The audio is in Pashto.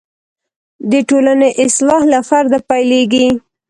د ټولنې اصلاح له فرده پیلېږي.